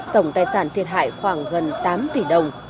tổng tài sản thiệt hại khoảng gần tám tỷ đồng